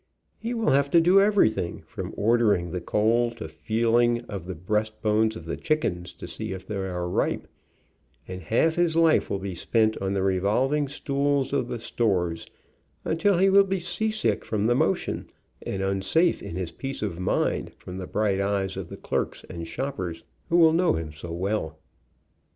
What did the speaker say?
He will have to do everything, from ordering the coal, to feeling of the breast bones of the chickens to see if they are ripe, and half his life will be spent on the revolving stools of the 78 THE COUNTRY'S BRIDE AND GROOM stores, until he will be seasick from the motion, and unsafe in his peace of mind from the bright eyes of the clerks and shoppers who will know him so well.